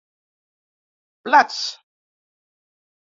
Plats: